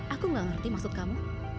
aku gak ngerti maksud kamu